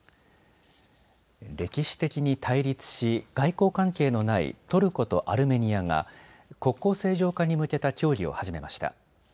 歴史的に対立し、外交関係のないトルコとアルメニアが国交正常化に向けた協議を始めました。